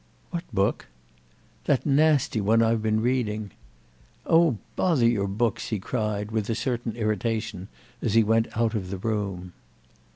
"What book?" "That nasty one I've been reading." "Oh bother your books!" he cried with a certain irritation as he went out of the room.